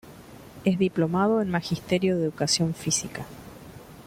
Es diplomado en Magisterio de Educación Física.